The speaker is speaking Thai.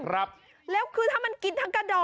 เฮ้ยเฮ้ยเฮ้ยเฮ้ยเฮ้ย